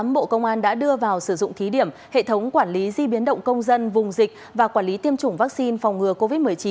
bộ công an đã đưa vào sử dụng thí điểm hệ thống quản lý di biến động công dân vùng dịch và quản lý tiêm chủng vaccine phòng ngừa covid một mươi chín